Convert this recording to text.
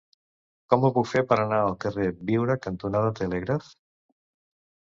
Com ho puc fer per anar al carrer Biure cantonada Telègraf?